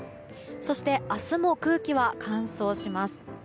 そして明日も空気は乾燥します。